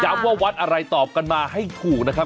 ว่าวัดอะไรตอบกันมาให้ถูกนะครับ